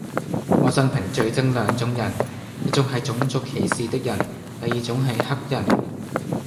我生平最憎兩種人:一種系種族歧視的人,第二種系黑人